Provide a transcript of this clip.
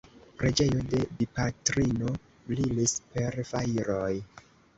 Preĝejo de Dipatrino brilis per fajroj.